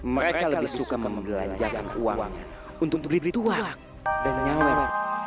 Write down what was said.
mereka lebih suka membelanjakan uang untuk beli tuak dan nyawar